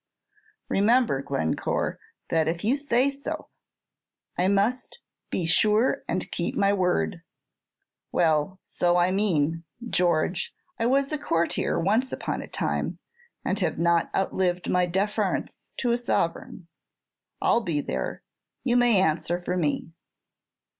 "Remember, Glencore, that if you say so " "I must be sure and keep my word. Well, so I mean, George. I was a courtier once upon a time, and have not outlived my deference to a sovereign. I 'll be there; you may answer for me."